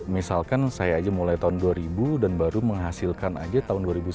misalkan saya aja mulai tahun dua ribu dan baru menghasilkan aja tahun dua ribu sembilan belas